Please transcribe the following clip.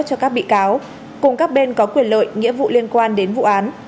cho các bị cáo cùng các bên có quyền lợi nghĩa vụ liên quan đến vụ án